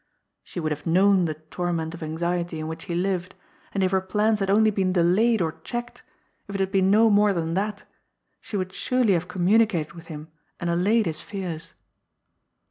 She would have known the torment of anxiety in which he lived, and if her plans had only been delayed or checked, if it had been no more than that, she would surely have communicated with him and allayed his fears.